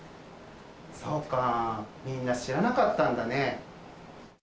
そうか、みんな知らなかったんだね。